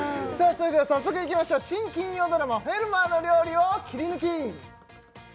それでは早速いきましょう新・金曜ドラマ「フェルマーの料理」をキリヌキ！